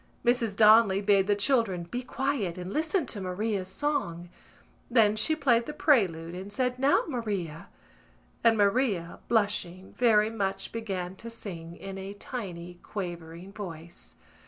Mrs Donnelly bade the children be quiet and listen to Maria's song. Then she played the prelude and said "Now, Maria!" and Maria, blushing very much began to sing in a tiny quavering voice.